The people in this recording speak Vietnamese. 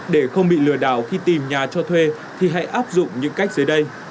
để không bị lừa đảo khi tìm nhà cho thuê thì hãy áp dụng những cách dưới đây